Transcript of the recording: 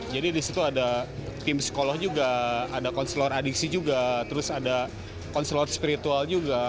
jadi di situ ada tim sekolah juga ada konselor adiksi juga terus ada konselor spiritual juga